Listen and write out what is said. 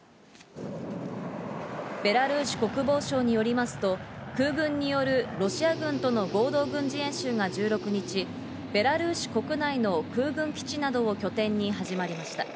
ベラルーシ国防省によりますと空軍によるロシア軍との合同軍事演習が１６日、ベラルーシ国内の空軍基地などを拠点に始まりました。